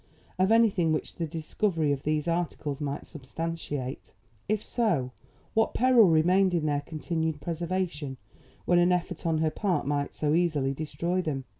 Of anything which the discovery of these articles might substantiate? If so, what peril remained in their continued preservation when an effort on her part might so easily destroy them.